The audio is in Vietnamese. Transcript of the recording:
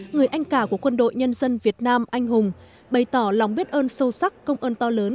người anh cả của quân đội nhân dân việt nam anh hùng bày tỏ lòng biết ơn sâu sắc công ơn to lớn